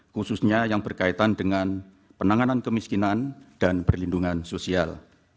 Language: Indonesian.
khususnya yang berkaitan dengan penanganan kemiskinan dan perlindungan sosial